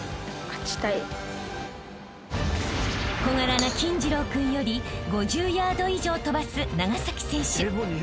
［小柄な金次郎君より５０ヤード以上飛ばす長崎選手］